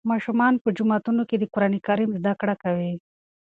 ماشومان په جوماتونو کې د قرآن کریم زده کړه کوي.